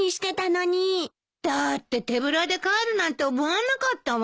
だって手ぶらで帰るなんて思わなかったわ。